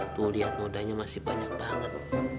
tuh lihat modanya masih banyak banget